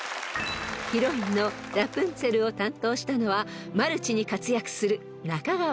［ヒロインのラプンツェルを担当したのはマルチに活躍する中川翔子さん］